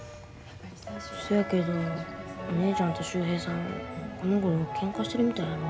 そやけどお姉ちゃんと秀平さんこのごろけんかしてるみたいやろ。